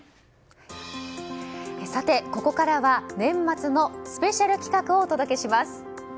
ここからは年末のスペシャル企画をお届けします。